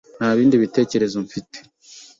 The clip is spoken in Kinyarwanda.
Nta bindi bitekerezo mfite.